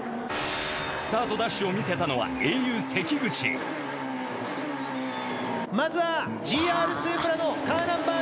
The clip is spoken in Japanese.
スタートダッシュを見せたのはａｕ関口まずはＧＲスープラのカーナンバー